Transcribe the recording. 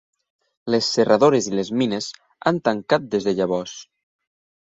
Les serradores i les mines han tancat des de llavors.